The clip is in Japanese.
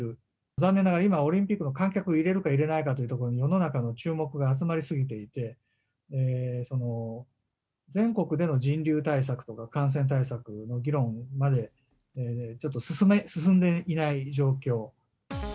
残念ながら今、オリンピックの観客を入れるか入れないかというところに、世の中の注目が集まり過ぎていて、全国での人流対策とか感染対策の議論まで、ちょっと進んでいない状況。